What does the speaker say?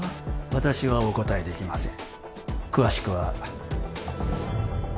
私はお答えできません